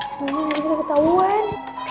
sebenernya nanti kita ketauan